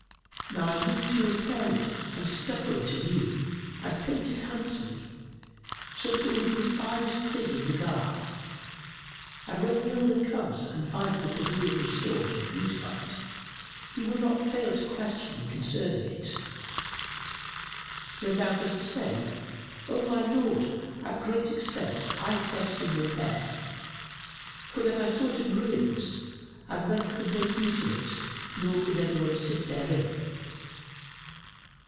Now I mean to repair it and stucco it anew and paint it handsomely, so that it will be the finest thing in the garth; and when the owner comes and finds the pavilion restored and beautified, he will not fail to question thee concerning it. Then do thou say, 'O my lord, at great expense I set it in repair, for that I saw it in ruins and none could make use of it nor could anyone sit therein.